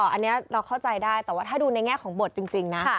อันนี้เราเข้าใจได้แต่ว่าถ้าดูในแง่ของบทจริงนะ